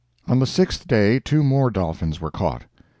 On the sixth day two more dolphins were caught.